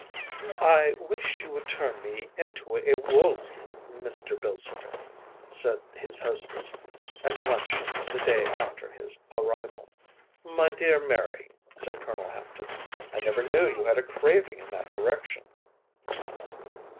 “I wish you would turn me into a wolf, Mr. Bilsiter,‚ÄĚ said his hostess at luncheon the day after his arrival. “My dear Mary,‚ÄĚ said Colonel Hampton, “I never knew you had a craving in that direction.